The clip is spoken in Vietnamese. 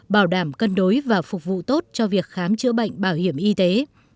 bảo đảm cân đối và phục vụ tốt cho việc khám chữa bệnh bảo hiểm y tế